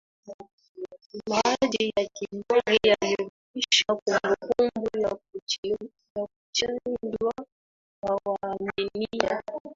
mauaji ya kimbari yalirudisha kumbukumbu ya kuchinjwa kwa Waamenia